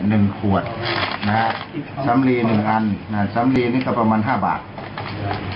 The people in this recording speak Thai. หนึ่งขวดนะฮะสำลีหนึ่งอันอ่าสำลีนี่ก็ประมาณห้าบาทอ่า